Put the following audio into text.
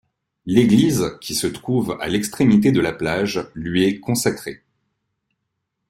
L'église qui se trouve à l'extrémité de la plage lui est consacrée.